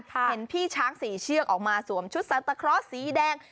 เห็นพี่ช้างสี่เชือกออกมาสวมชุดซัตเตอร์คลอสสีแดง